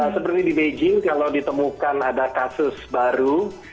seperti di beijing kalau ditemukan ada kasus baru